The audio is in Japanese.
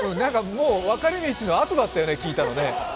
もう分かれ道のあとだったよね、聞いたのね。